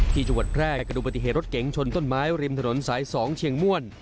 ที่จังหวัดแพร่กระดูกปฏิเหตุรถเก๋งชนต้นไม้ริมถนนสาย๒เชียงม่วน